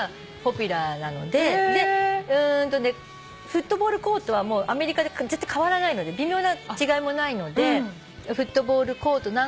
フットボールコートはアメリカで絶対変わらないので微妙な違いもないので「フットボールコート何個分」